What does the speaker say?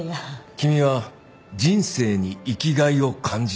君は人生に生きがいを感じてみたい